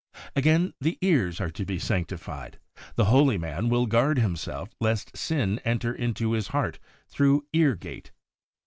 ' Again, the ears are to be sanctified. The holy man will guard himself lest sin enter into his heart through Ear gate.